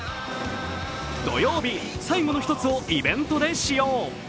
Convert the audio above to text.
土曜日、最後の１つをイベントで使用。